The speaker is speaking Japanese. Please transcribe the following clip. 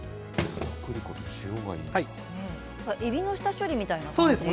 えびの下処理みたいな感じですね。